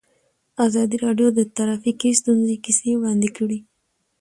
ازادي راډیو د ټرافیکي ستونزې کیسې وړاندې کړي.